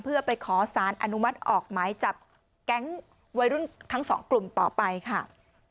เพื่อไปขอสารอนุมัติออกหมายจับแก๊งวัยรุ่นทั้งสองกลุ่มต่อไปค่ะ